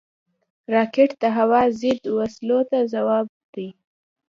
راکټ د هوا ضد وسلو ته ځواب دی